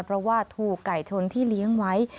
เพราะว่าถูกไก่ชนที่เลี้ยงไว้